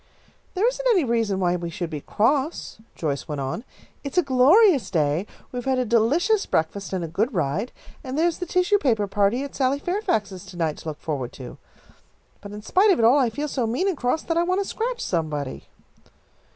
"There isn't any reason why we should be cross," Joyce went on. "It's a glorious day, we've had a delicious breakfast and a good ride, and there is the tissue paper party at Sally Fairfax's to night to look forward to. But in spite of it all I feel so mean and cross that I want to scratch somebody."